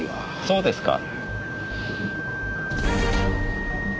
そうですか。